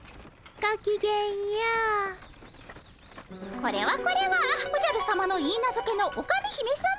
これはこれはおじゃるさまのいいなずけのオカメ姫さま。